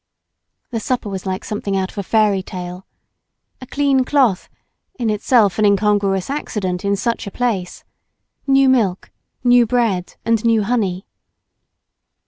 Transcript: The supper was like something out of a fairy tale. A clean cloth, in itself an incongruous accident in such a place, new milk, new bread, and new honey.